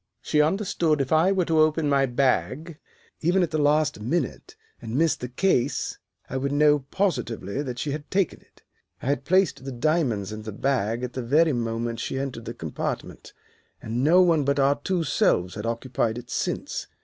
She understood if I were to open my bag, even at the last minute, and miss the case, I would know positively that she had taken it. I had placed the diamonds in the bag at the very moment she entered the compartment, and no one but our two selves had occupied it since.